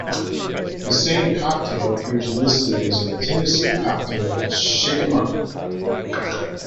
The same cocktail appears listed as a "Tennessee Cocktail" in "Shake 'em Up!